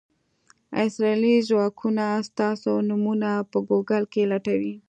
اسرائیلي ځواکونه ستاسو نومونه په ګوګل کې لټوي.